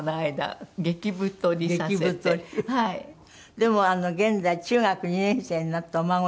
でも現在中学２年生になったお孫さん。